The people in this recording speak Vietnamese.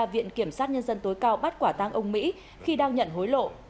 viện kiểm sát nhân dân tối cao bắt quả tang ông mỹ khi đang nhận hối lộ